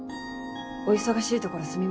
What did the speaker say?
お忙しいところすみません。